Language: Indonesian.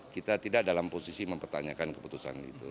kita tidak dalam posisi mempertanyakan keputusan itu